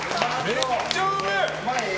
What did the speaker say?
めっちゃうめえ！